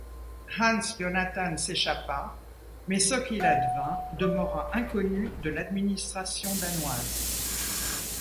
Hans Jonatan s'échappa mais ce qu'il advint demeura inconnu de l'administration danoise.